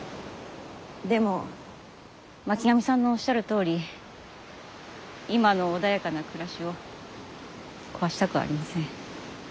でも巻上さんのおっしゃるとおり今の穏やかな暮らしを壊したくありません。